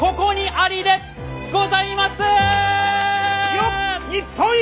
よっ日本一！